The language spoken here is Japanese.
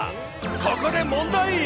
ここで問題。